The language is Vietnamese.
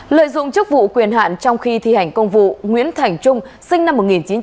lợi dụng chức vụ quyền hạn trong khi thi hành công vụ nguyễn thành trung sinh năm một nghìn chín trăm tám mươi